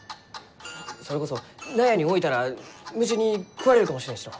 それこそ納屋に置いたら虫に食われるかもしれんしの。